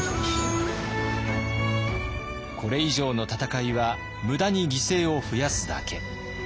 これ以上の戦いは無駄に犠牲を増やすだけ。